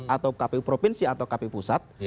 atau kpu provinsi atau kpu pusat